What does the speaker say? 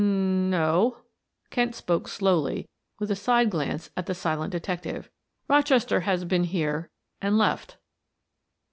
"N no," Kent spoke slowly, with a side glance at the silent detective. "Rochester has been here and left."